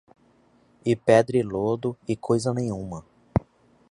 e pedra e lodo, e coisa nenhuma